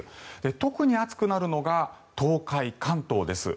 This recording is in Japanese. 特に暑くなるのが東海、関東です。